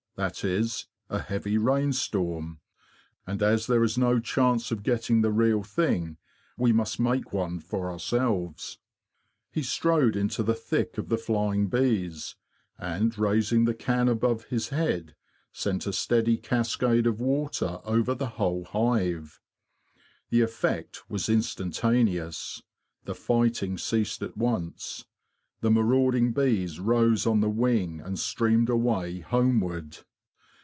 That is, a heavy rainstorm; and as there is no chance of getting the real thing, we must make one for ourselves."' He strode into the thick of the flying bees, and raising the can above his head, sent a steady cascade of water over the whole hive. The effect was instantaneous. The fighting ceased at once. The marauding bees rose on the wing and streamed away homeward.